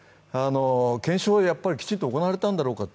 検証はきちんと行われたんだろうかと。